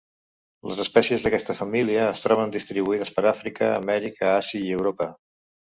Les espècies d'aquesta família es troben distribuïdes per Àfrica, Amèrica, Àsia i Europa.